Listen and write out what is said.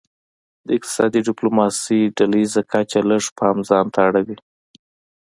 د اقتصادي ډیپلوماسي ډله ایزه کچه لږ پام ځانته اړوي